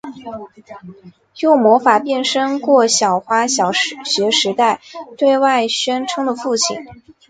用魔法变身过小花小学时代对外宣称的父亲。